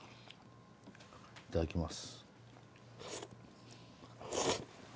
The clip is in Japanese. いただきます。